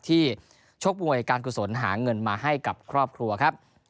ชกมวยการกุศลหาเงินมาให้กับครอบครัวครับ